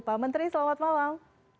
pak menteri selamat malam